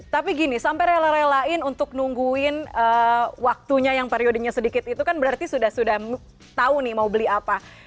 tapi gini sampai rela relain untuk nungguin waktunya yang periodenya sedikit itu kan berarti sudah sudah tahu nih mau beli apa